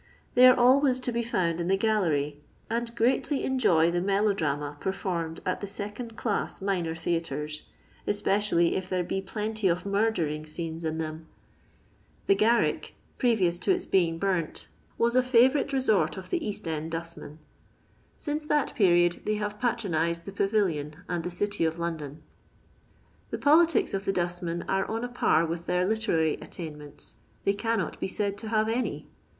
They are always to be found in the gallery, and greatly enjoy the melodramas performed at the se cond class minor theatres, especially if there be plenty of murdering seenes in them. The Qar rick, previoBS to its being bamt» was a fiivourite LONDON LABOUR AND THE LONDON POOR. 177 retort of the East end dnstxiMn. Bmee that period they have patronized the PaTilion and the Gitj of London. The politics of the dostmen are on a par with their literary attainments — they cannot be said to haTe any.